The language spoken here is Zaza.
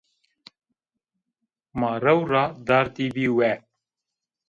Ma rew ra dardîbî we